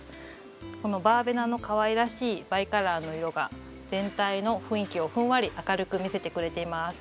このバーベナのかわいらしいバイカラーの色が全体の雰囲気をふんわり明るく見せてくれています。